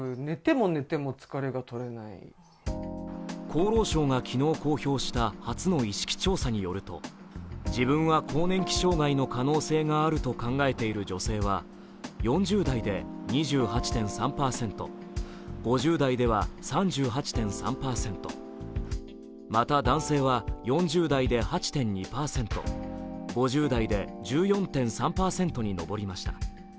厚労省が昨日公表した初の意識調査によると自分は更年期障害の可能性があると考えている女性は、４０代で２８．３％、５０代では３８．８％、また男性は４０代で８．２％、５０代で１４．３％に上りました。